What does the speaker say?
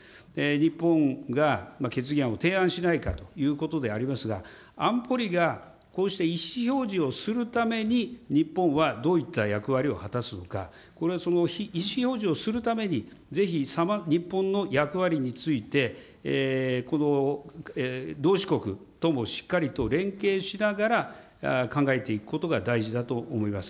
日本が決議案を提案しないかということでありますが、安保理がこうして意思表示をするために、日本はどういった役割を果たすのか、これはその意思表示をするために、ぜひ日本の役割について、同志国ともしっかりと連携しながら、考えていくことが大事だと思います。